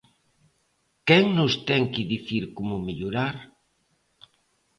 ¿Quen nos ten que dicir como mellorar?